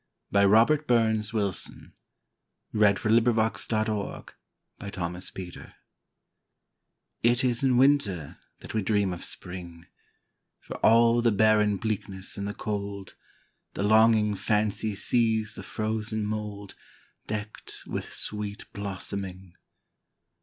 By Robert BurnsWilson 1047 It Is in Winter That We Dream of Spring IT is in Winter that we dream of Spring; For all the barren bleakness and the cold, The longing fancy sees the frozen mouldDecked with sweet blossoming.